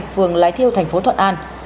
phường lái theo tp thuận an